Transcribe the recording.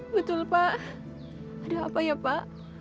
betul pak ada apa ya pak